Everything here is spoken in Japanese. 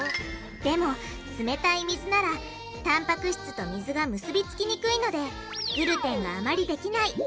でもつめたい水ならたんぱく質と水が結び付きにくいのでグルテンがあまりできない。